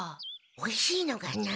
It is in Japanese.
おいしいのかな？